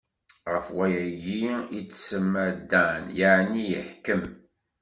Ɣef wayagi i s-tsemma Dan, yeɛni iḥkem.